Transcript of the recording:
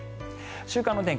週間の天気